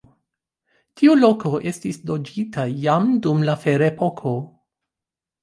Tiu loko estis loĝita jam dum la ferepoko.